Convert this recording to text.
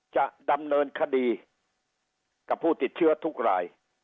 จะดำเนินคดีกับผู้ติดเชื้อทุกราย